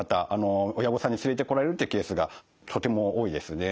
親御さんに連れてこられるっていうケースがとても多いですね。